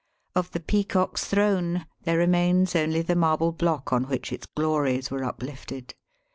Of the Peacock's Throne there remains only the marble block on which its glories were upUfted.